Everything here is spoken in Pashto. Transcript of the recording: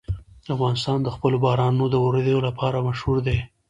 افغانستان د خپلو بارانونو د اورېدو لپاره مشهور دی.